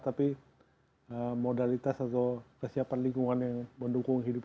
tapi modalitas atau kesiapan lingkungan yang mendukung hidup